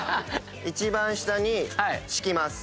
一番下に敷きます。